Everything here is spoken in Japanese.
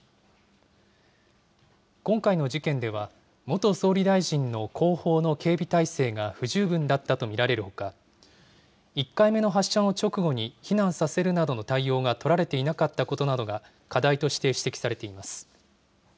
今回の事件では、元総理大臣の後方の警備態勢が不十分だったと見られるほか、１回目の発射の直後に避難させるなどの対応が取られていなかったことなどが、課題として指摘されています。